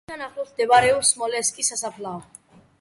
ხიდთან ახლოს მდებარეობს სმოლენსკის სასაფლაო.